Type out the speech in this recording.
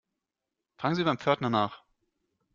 Fragen Sie beim Pförtner nach.